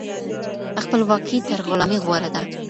خپلواکي تر غلامۍ غوره ده.